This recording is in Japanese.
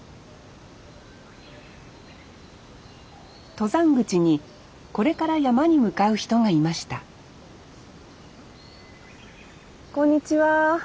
登山口にこれから山に向かう人がいましたこんにちは。